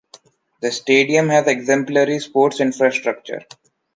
The stadium had exemplary sports infrastructure.